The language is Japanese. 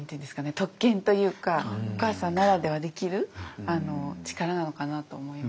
特権というかお母さんならではできる力なのかなと思いました。